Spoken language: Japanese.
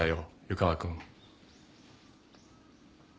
湯川君。